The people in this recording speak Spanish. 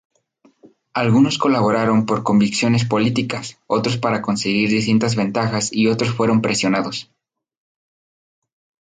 Algunos colaboraron por convicciones políticas, otros para conseguir distintas ventajas y otros fueron presionados.